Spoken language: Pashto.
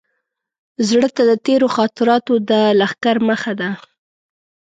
زړه ته د تېرو خاطراتو د لښکر مخه ده.